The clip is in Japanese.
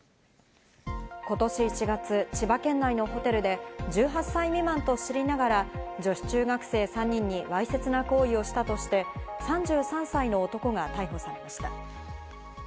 今年１月、千葉県内のホテルで１８歳未満と知りながら、女子中学生３人にわいせつな行為をしたとして、３３歳の男が逮捕されました。